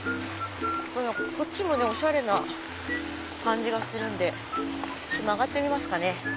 こっちもねおしゃれな感じがするんでちょっと曲がってみますかね